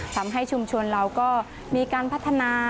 ทำให้ชุมชนเราก็มีการพัฒนา